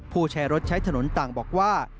ผู้ใช้รถใช้ถนนต่างบอกว่า